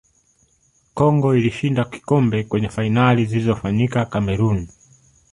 congo ilishinda kikombe kwenye fainali zilizofanyika cameroon